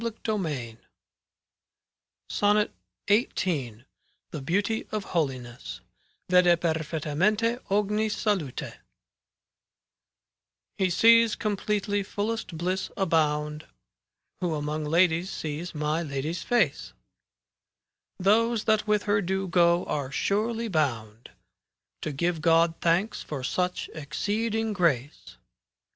5S CANZONIERE SONNET XVIII ^b V >| THE BEAUTY OF HOLINESS Vede perfettamente ogni salute He sees completely fullest bliss abound Who among ladies sees my Lady's face ; Those that with her do go are surely bound To give God thanks for such exceeding grace.